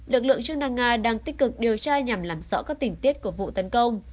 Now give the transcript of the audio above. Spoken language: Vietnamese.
lực lượng chức năng nga đang tích cực điều tra nhằm làm rõ các tình tiết của vụ tấn công